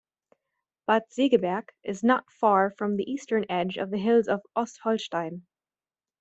Bad Segeberg is not far from the eastern edge of the hills of Ostholstein.